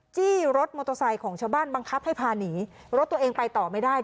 จี้รถมอเตอร์ไซค์ของชาวบ้านบังคับให้พาหนีรถตัวเองไปต่อไม่ได้